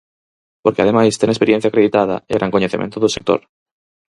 Porque ademais ten experiencia acreditada e gran coñecemento do sector.